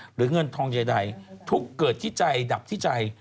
หรือเงินทองใดทุกข์เกิดที่ใจดับที่ใจ